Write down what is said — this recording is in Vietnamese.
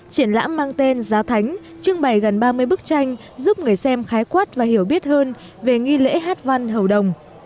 triển lãm mang tên giá thánh trưng bày gần ba mươi bức tranh giúp người xem khái quát và hiểu biết hơn về nghi lễ hát văn hầu đồng